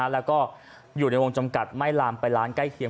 แล้วก็อยู่ในวงจำกัดไม่ลามไปร้านใกล้เคียง